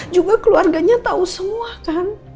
juga keluarganya tahu semua kan